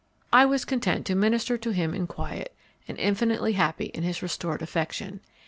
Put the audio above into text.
I was content to minister to him in quiet, and infinitely happy in his restored affection.